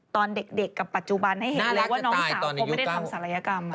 ตอนเด็กกับปัจจุบันให้เห็นเลยว่าน้องสาวเขาไม่ได้ทำศัลยกรรม